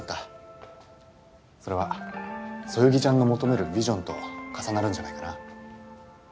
それはそよぎちゃんの求めるビジョンと重なるんじゃないかな？